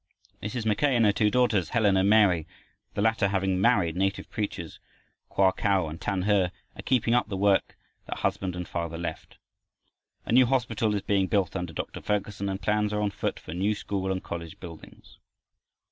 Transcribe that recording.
Mrs. Mackay and her two daughters, Helen and Mary, the latter having married native preachers, Koa Kau and Tan He, are keeping up the work that husband and father left. A new hospital is being built under Dr. Ferguson, and plans are on foot for new school and college buildings.